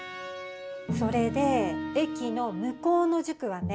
それでえきのむこうの塾はね。